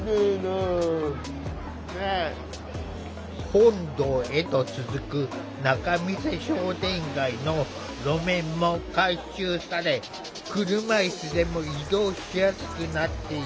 本堂へと続く仲見世商店街の路面も改修され車いすでも移動しやすくなっていた。